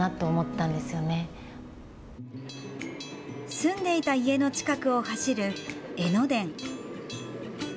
住んでいた家の近くを走る江ノ電。